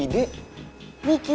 mikir dong mikir